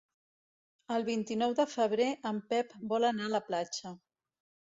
El vint-i-nou de febrer en Pep vol anar a la platja.